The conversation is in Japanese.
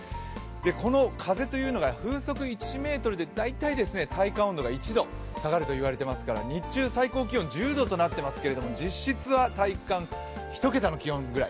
この風というのが風速１ｍで大体、体感温度が１度下がるといわれてますから日中最高気温１０度となっていますけれども、実質は体感１桁の気温ぐらい。